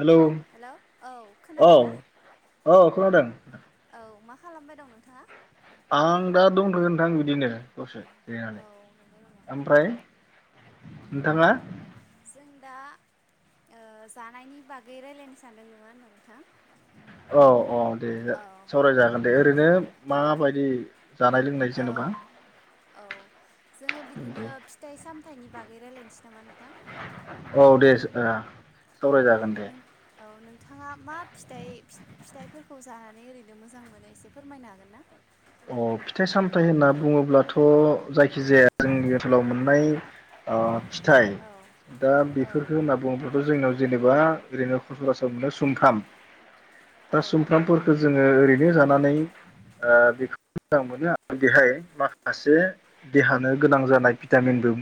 Hello hello औ औ खोनादोंना औ औ मा खालामबाय दं नोंथाङा? आं दा दंथ'यो नोंथां बिदिनो दसे औ जिरायनानै नंगौ नामा ओमफ्राय औ नोंथाङा जों दा ओ जानायनि बागै रायज्लायनो सानदों नङा होनबा नोंथां? औ औ दे औ सावरायजागोन दे ओरैनो माबायदि दि औ औ जोङो बिदिनो दे फिथाइ सामथाइ सामथाइनि बागै रायज्लायनोसै नामा नोंथां? औ दे औ सावराय जागोन दे नों औ नोंथाङा मा फिथाइ फिथाइफोरखौ जानानै ओरैनो मोजां मोनो एसे फोरमायनो हागोन ना? अ फिथाइ सामथाइ होनना बुङोब्लाथ' जायखिजाया जोंनि ओनसोलाव मोननाय ओ फिथाइ औ दा औ बेफोरफोरखौ होनना बुङोब्लाथ' जोंनाव जेनेबा ओरैनो सरासनस्रा मोनो सुंथाम औ दा नंगौ सुमफ्रामफोरखौ जोङो ओरैनो जानानै आ बिखौ मोजां मोनो आरो बेहाय माखासे देहानो गोनां जानाय भिटामिनबो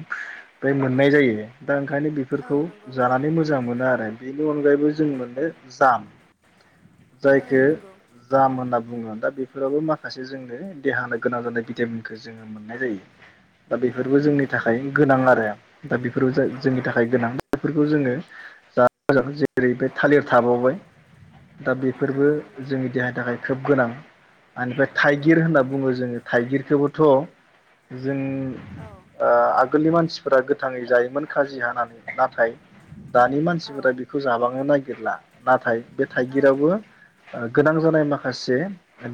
बे मोननाय जायो दा ओंखायनो औ बेफोरखौ नंगौ जानानै थारैनो मोजां मोनो आरो बेनि अनगायैबो जों मोनो जाम औ जायखौ नंगौ जाम होन्ना बुङो दा बे फोरावबो माखास जोंनो देहानो गोनां जानाय भिटामिनखौ जोङो मोन्नाय जायो दा औ बेफोरबो नंगौ जोंनि थाखाय थारैनो गोनां आरो दा बेफोरबो औ जोंनि औ थाखाय गोनां बेफोरखौ जोङो [unintelligible] थालिर थाबावबाय दा औ बेफोरबो नंगौ जोंनि देहानि थाखाय खोब गोनां आनि फाइ औ थाइगिर होन्ना बुङो जोङो थाइगिरखौबो थ' जों औ ओ गोलनि मानसिफोरा गोथाङै जायोमोन खाजि हानानै नाथाय दानि औ मानसिफोरा बेखौ जाबांनो नागि गिरला नाथाय बे औ थाइगिराबबो नंगौ ओ गोनां जनाय माखासे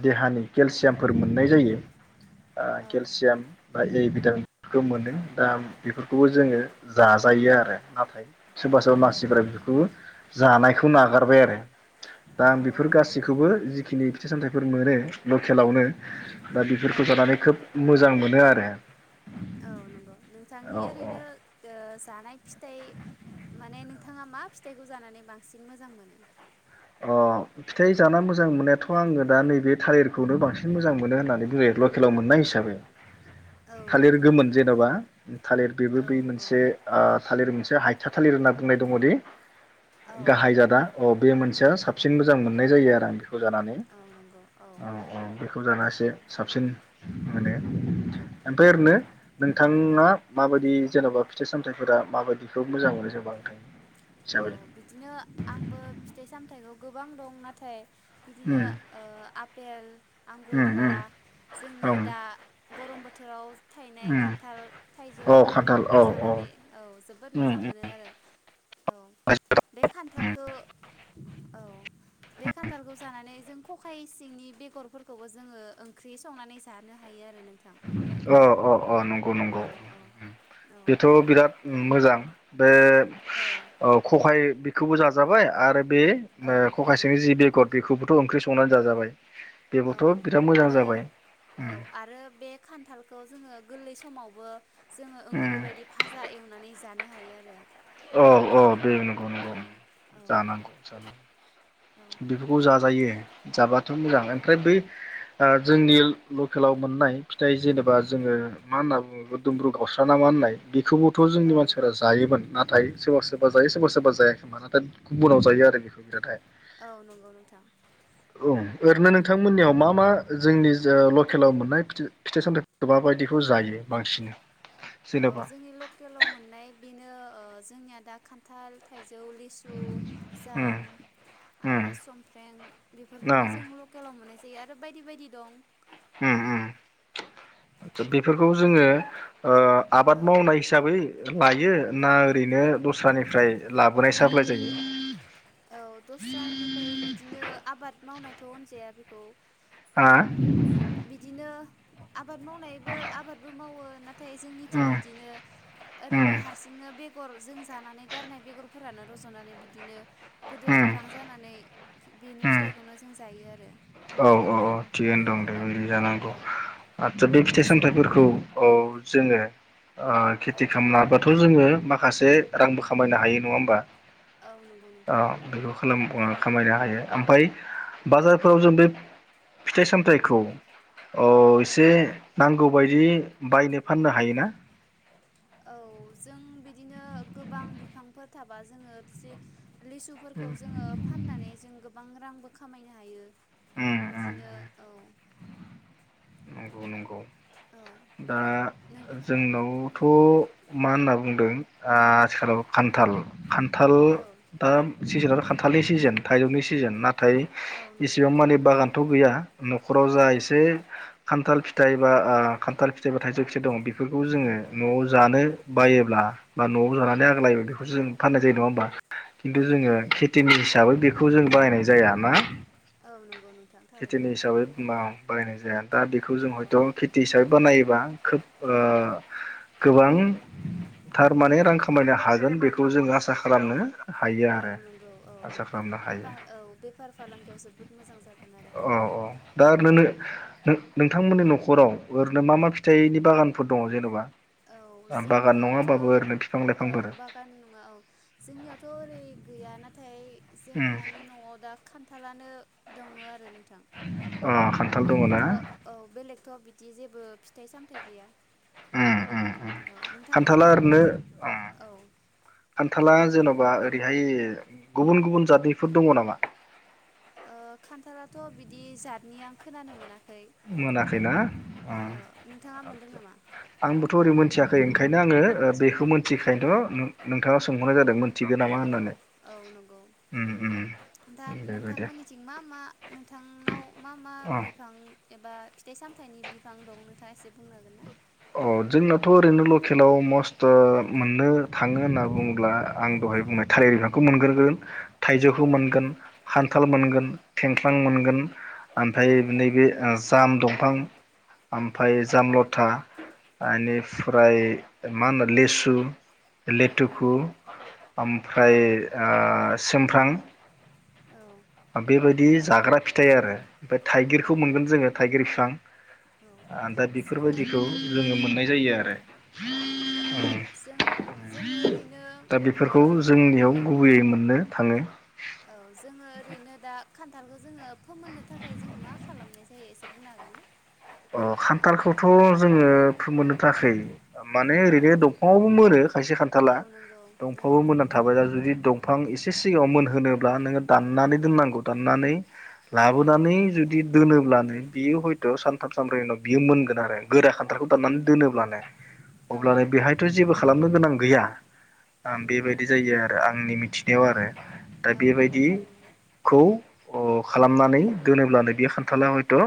देहानि केलसियामफोर मोन्नाय जायो। ओ औ केेलसियाम बा ए भिटामिन खो मोनो दा बेफोरखौबो जोङो जाजायो आरो नाथाय औ सोबा सोरबा नंगौ मानसिफोरा बेफोरखौबो जानाय खौ नागारबाय आरो दा औ आं बेफोर गासैखौबो जिखिनि से सामथाइफोर मोनो लकेलावनो दा औ बेफोरखौ जानानै खोब मोजा मोजां मोनो आरो औ नंगौ नोंथांनि औ ओरैनो ओ जानाय फिथाइ माने नोंथाङा मा फिथाइखौ जानानै बांसिन मोजां मोनो अ फिथाइ जाना मोजां मोननाया थ' आङो दा नैबे थालिरखौनो बांसिन मोजां मोनो होन्नानै बुङो जायो लकेलाव मोन्नाय हिसाबै औ थालिर नंगौ गोमोन जेन'बा थालिर बेबो औ बै औ मोनसे ओ थालिर मोनसे हायथा थालिर होन्ना बुंनाय दङदि औ गाहाय जादा अ बे मोनसे साबसिन मोजां मोन्नाय जायो आरो आं बेखौ जानानै औ नंगौ औ औ बेखौ जाना एसे औ साबसिन माने ओमफ्राय उम ओरैनो नोंथाङा माबायदि जेन'बा फिथाइ सामथायाइफोरा माबायदिखौ मोजां मोनो जेनेबा नोंथां औ हिसाबै बिदिनो आंबो फिथाइ सामथाइखौ गोबां दं नाथाय बिदिनो उम आपेल आंगुर उम बा उम औ जोंनि दा गरम बोथोराव थायनाय उम खान्थाल थाइजौ औ खान्थाल औ बेफोरखौनो जानानै औ जोबोद उम मोजां मोनो आरो औ बे खान्थालखौ औ बे खान्थालखौ जानानै जों खखाय सिंनि बेगरफोरखौबो जोङो ओंख्रि संनानै जानो हायो आरो नों अ अ अ नंगौ नंगौ औ औ औ बेथ' बिराद मोजां बे औ खखाय बे खौबो जाजाबाय आरो बे औ नंगौ खखासेनि जि बेगर बेखौबोथ' ओंख्रि संनानै जाजाबाय औ बेबोथ' बिराद मोजां आरो जाबाय औ आरो बे खान्थालखौ जोङो गोरलै समावबो जोङो ओंख्रि उम बायदि फाजा एवनानै जानो हायो आरो औ औ बे नंगौ औ नंगौ औ जानांगौ औ बेफोरखौ जाजायो नोंथां जाबाथ' औ मोजां ओमफ्राय बै जोंनि लकेलाव मोननाय फिथाइ जेनेबा जोङो मा होनना बुङो दुमब्रु खावस्रा ना मा होननाय बे खौबोथ' औ जोंनि मानसिफोरा जायोमोन नाथाय सोरबा सोरबा जायो सोरबा सोरबा जायाखै मानो दा गुबुनाव जायो आरो बेखौ बिरादहाय औ नंगौ नोंथां बुं ओरैनो नोंथांमोननियाव मा मा जोंनि लकेलाव मोननाय फिथाइ सामथायाइ माबायदिखौ जायो बांसिन औ जेनेबा जोंनि लकेलाव मोननाय बेनो ओ जोंनिया दा खान्थाल थाइ जौ, लिसु, उम जाम उम आरो सुमफ्रें बेफोरखौनो ओं जों लकेलाव मोननाय जायो दैै आरो बायदि बायदि दं उम औ उम बेफोरखौ जोङो ओ औ आबाद मावनाय हिसाबै लायो ना ओरैनो दस्रानिफ्राय लाबोनाय साप्लााय जायो औ दस्रानिफ्राय बिदिनो आबाद मावनाय थ' होनजाया बेखौ हा? बिदिनो आबाद मावनायबो आबादबो मावो नाथाय जोंनिथिं उम इदिनो उम ओरैनो हारसिंनो बे बेगर जों जानानै गारनाय बेगरफोरानो रज'नानै बिदिनो गोदिर उम बिफां जानानै बेनि उम फिथाइखौनो जों जायो आरो औ औ औ थिगैनो औ दं दे बिदि जानांगौ औ आदसा बे फिथाइ नोंस सामथाइफोरखौ औ जोङो ओ औ खेथि खालामनाबोथ' जोङो माखासे रांबो खामायनो हायो नङा होमबा औ नंगौ औ नोंथां बेखौ खामायनो हायो ओमफ्राय बाजारफोराव जों बे फिथाइ सामथाइखौ ओ औ एसे नांगौबायदि बायनो फाननो हायोना औ जों बिदिनो गोबां बिफांफोर थाबा जोङो जे लिसुफोरखौ उम जोङो फाननानै जों गोबां रांबो खामायनो हायो उम उम बिदिनो औ नंगौ नंगौ। औ दा नों जोंनावथ' मा होनना बुंदों आ आथिखालाव खान्थाल खान्थाल औ दा सिजेना [unintelligible] खान्थालनि सिजेन थाइजौनि सिजेन ना थाय नंगौ इसेबां मानि बागानथ' गैया न'खराव जा औ एसे खान्थाल फि थाइ बा आ खान्थाल फिथाइ बा थाइजौ खिथाइ दङ'। बेफोरखौ जोङो न'आव जानो बायोब्ला बा न'आव औ जानानै आग्लायो बेखौ जों फाननाय जायो। नङा होमबा? औ खिन्थु जोङो नंगौ खेथिनि हिसाबै बे खौ जों बाहायनाय जाया ना। औ नंगौ नों खेथिनि हिसाबै [unintelligible] बाहायनाय जाया। दा बेखौ जों औ हयथ' खेथि हिसाबै बानायो बां खोब ओ गोबां थारमाने रां खामायनो हागोन बेखौ जों आसा खालामनो। हायो औ आरो नंगौ औ। आसा खालामनो हायो बेफार औ बेफार फालांगियाव जोबोद मोजां जागोन। आरो औ औ दा औ ओरैनो नो नों नों थांमोननि न'खराव ओरैनो मा मा फिथाइनि बागानफोर दङ' जेने'बा। औ जोंनियावथ' बिफां औ लाइफांफोर बागान नङा औ। जोंनियावथ' ओरै गैया ना उम जोंहानि न'आव दा खान थालानो दङो आरो नों थां अ खान्थाल दङ ना बेलेखथ' औ बेलेखथ' बि बिदि जेबो फिथाइ सामथाइ गैया। ओम ओम ओम। औ खान्थाला नोंथांमोननाव ओरैनो ओम औ दे खान्थाला बुंग्रोदो जेन'बा ओरैहाय गुबुन गुबुन जाादनिफोर दङ' नामा? ओ खान्थलाथ' बिदि जातनि आं खोनानो मोना मोनाखै ना अ नोंथाङा मोनदों आतचा नामा आंबोथ' ओरै मोनथिया खै ओंखायनो आङो ओ बेखौ मिन्थिखायैनोथ' नों- नोंथाङाव सोंहरनाय जादोंमोन। औ औ नंगौ उम उम दा बेबायदि नोंथांमोननिथिं मा मा नोंथांनाव मा मा अ बिफां एबा फिथाइ सामथाइनि बिफां दं नोंथाङा एसे बुंनो हागोन ना? अ जोंनाथ' ओरैनो लकेलाव मस्थ' मोननो थाङो होनना बुङोब्ला आं दहाय बुंनाय थालिर बिफांखौ मोनग्रोगोन। औ थाइजौखौ औ मोनगोन, नंगौ खान्थाल औ मोनगोन, थेंख्लां औ मोनगोन औ ओमफ्राय नैबे आ जाम दं थां। औ ओमफाय जाम लथा। आनिफ्राय मा होनो लेसु। औ लेटुखु। नंगौ ओमफ्राय सोमफ्रां। औ। बेबायदि जाग्रा फिथाइ आरो ओमफ्राय औ थाइगिरखौ मोनगोन जोङो थाइगिर बिफां। दा जोङो बेफोरबायदिखौ जोङो मोननाय। जायो आरो। औ नंगौ जों जोङो ओरैनो दा ओ। बेफोरखौ जोंनियाव गुबैयै मोननो थाङो। औ जोङो ओरैनो दा खान्थालखौ जोङो फोमोननो थाखाय जों मा खालामनाय जायो एसे बुंनो हागोन ना। अ खान्थालखौथ' जोङो फोमोननो थाखाय माने औ ओरैनो दंफाङावबो मोनो खायसे खान्थाला औ नंगौ औ दंफाङावबो मोननानै थाबाय दा जुदि दं। बिफां एसे सिगाङाव मोनहोनोब्ला नोङो दाननानै दोननांगौ दाननानै औ लाबोनानै जुदि दोनोब्लानो बियो हयथ' सान। सानथाब सामब्रै उनाव बियो मोनगोन आरो गोरा खान्थालखौ दाननानै दोनोब्लानो। औ अब्लानो बेहायथ' जेबो। खालामनो गोनां गैया। औ नंगौ बेबायदि जायो आरो आंनि मिथिनायाव आरो दा औ नंगौ थारैनो बेबायदिखौ अ खालामनानै दोनोब्लानो बे खान्थाला हयथ'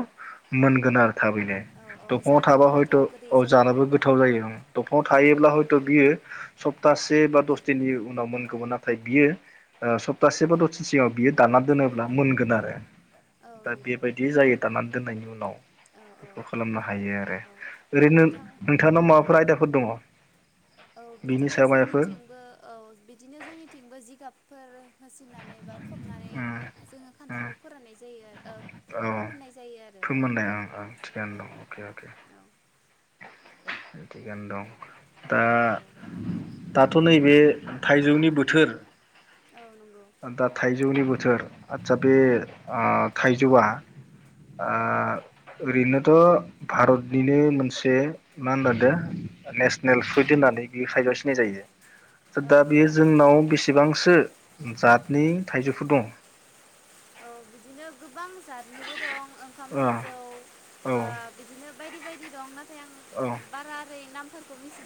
मोनगोन आरो। थाबैनो औ औ दंफाङाव थाबा जानोबो हयथ' गोथाव गोदै औ जायो जानबो गोथाव जायो दंफाङाव औ थायोब्ला हयथ' बियो सप्तासे बा दस दिननि उनाव मोनगौमोन। नाथाय बियो ओ सप्तासे बादसदिनसोआव बियो दाना दोनोब्ला मोनगोन आरो। औ दा नंगौ बिबायायदि जायो दानना दोननायनि उनाव। औ औ बेखौ खालामनो हायो आरो। औ ओरैनो नोंथां नोंथांनाव औ माबाफोर आयदाफोर दङ औ बिनि बिदिनो सायाव माबाफोर जोंनिथिंबो औ बिदिनो जोंनिथिंबो जिगाब फोर होसिननानै बा खोबनानै उम जोङो उम खान्थालखौ फोराननाय जायो। ओ औ फोमोननाय जायो आरो फोमोननाय थिखानो दं अके अके। औ थिगनो दं। औ दा नंगौ दाथ' थ' नैबे थाइजौनि बोथोर। औ नंगौ दा थाइजौनि बोथ थोर आतसा बे आ थाइजौआ आ औ ओरैनोथ' भारतनिनो मोनसे। बे मा होननाो नेसनेल फ्रुइद होननानै बे [unintelligible] सिनाय जायो। औ दा बेयो नंगौ जोंनाव बेसेबांसो जातनि थाइजौफोर दं औ बिदिनो गोबां जतनिबो दं ओंखाम थाइजौ ओ बा बिदिनो बायदि बायदि दं फ्राय आं औ औ बारा ओरै नाम [unintelligible]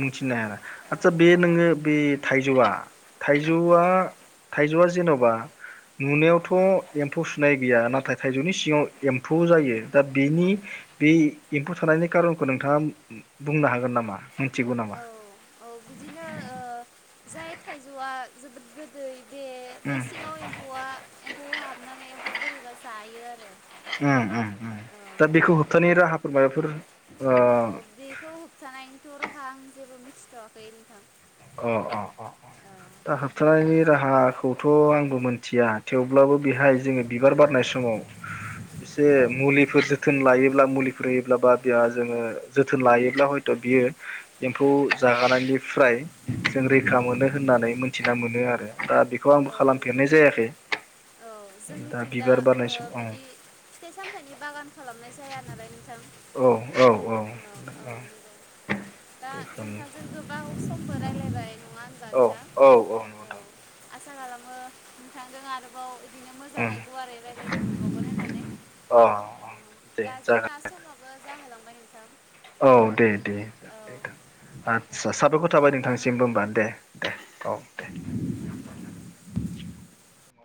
मिथिनो आरो आदसा बे औ नोङो बे थाइजौआ औ थाइजौआ थाइजौआ जेन'बा बा नुनायावथ' औ एम्फौ सुनाय गैया नाथाय नाथाय थाइजौनि सिङाव एम्फौ जायो दा बेनि बे एम्फौ थानायनि खारनखौ नोंथाङा बुंनो हागोन नामा? मिथिगौ नामा? औ औ बिदिनो जाय थाइजौआ जोबोद बे बे उम सिङाव एम्फौआ एम्फौ हाबनानै एम्फौ बोरैबा जायो आरो उम उम औ बेफोर औ बेखौ होफथानाय खौथ' राहा आं जेबो मिथिथ'वाखै नोंथां। अ अ अ अ औ दा होबथानायनि राहा खौथ' आंबो मोनथिया थेवब्लाबो औ बेहाय जोङो नंगौ बिबार बारनाय समाव एसे औ मुलिफोर जोथोन लायोब्ला मुलि फ्रैयोब्ला बादिया जोङो जोथोन लायोब्ला हयथ' बियो एम्फौ जागानायनिफ्राय जों रैखा मोनो होननानै मोनथिना मोनो आर दा बेखौ आंबो औ नंगौ खालामफेरनाय जायाखै औ दा जोंनिथिं बिबार बारनाय ओ सम औ बिदि फिथाइ सामथाइनि बागान खालामनाय जाया नालाय थां औ औ नंगौ दा नोंथांजों बेखौनो गोबाव समबो रायलायबाय नङा होनबा औ नोंथां औ औ नोंथां आसा खालामो नोंथांजों आरोबाव बिदिनो मोजाङै उम गुवारै रायलायनो मोनबावगोन होननानै अ ओ दे दा जोंना जागोन समाबो जाहोलां फ्राइ नोंथां औ दे दे औ [unintelligible] आदसा साबायखर दे थाबाय होमबा न' नोंथांनिसिमबो नोंथां होमबा दे दे औ दे [inaudible]